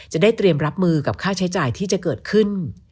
จะได้เตรียมรับมือกับค่าใช้จ่ายที่จะเกิดขึ้น